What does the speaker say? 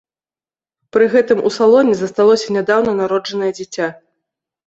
Пры гэтым у салоне засталося нядаўна народжанае дзіця.